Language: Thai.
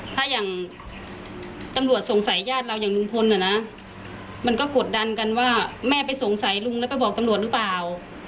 ถ้าอย่างตำรวจสงสัยญาติเราอย่างลุงพลน่ะนะมันก็กดดันกันว่าแม่ไปสงสัยลุงแล้วไปบอกตำรวจหรือเปล่า